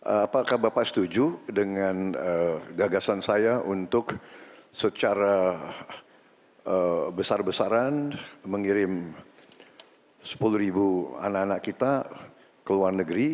apakah bapak setuju dengan gagasan saya untuk secara besar besaran mengirim sepuluh ribu anak anak kita ke luar negeri